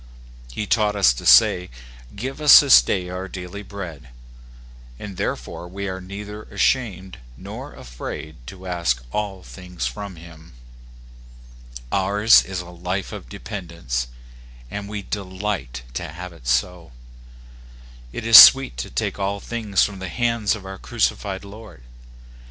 He taught us to say, "Give us this day our daily bread," and therefore we are neither ashamed nor afraid to ask all things from him. Ours is a life of dependence, and we de light to have it so. It is sweet to take all things from the hands of our crucified Lord.